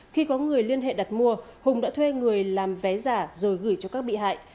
khi có người liên hệ đặt mua hùng đã thuê người làm vé giả rồi gửi cho các bị hại